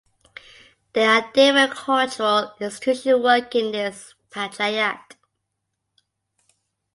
There are different cultural institutions working in this panchayat.